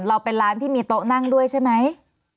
เราเป็นร้านที่มีโต๊ะนั่งด้วยใช่ไหม